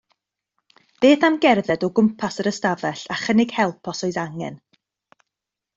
Beth am gerdded o gwmpas yr ystafell a chynnig help os oes angen?